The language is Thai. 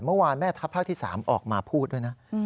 เมื่อวานแม่ทัพภาคที่๓ออกมาพูดด้วยนะ